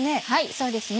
そうですね